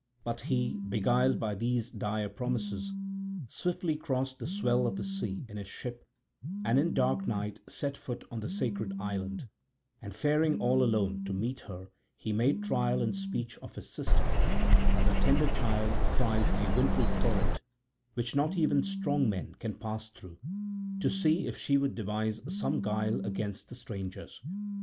But he, beguiled by these dire promises, swiftly crossed the swell of the sea in his ship, and in dark night set foot on the sacred island; and faring all alone to meet her he made trial in speech of his sister, as a tender child tries a wintry torrent which not even strong men can pass through, to see if she would devise some guile against the strangers.